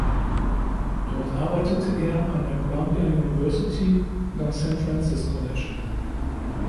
Dort arbeitete er an der Columbia University und am Saint Francis College.